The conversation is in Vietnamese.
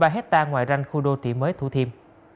ba hectare ngoài ranh khu đô thị mới thủ thiêm